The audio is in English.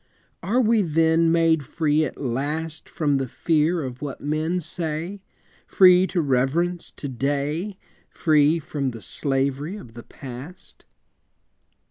Are we then made free at last From the fear of what men say, Free to reverence To day, Free from the slavery of the Past?